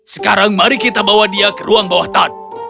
sekarang mari kita bawa dia ke ruang bawah tan